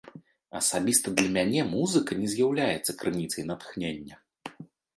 Асабіста для мяне музыка не з'яўляецца крыніцай натхнення.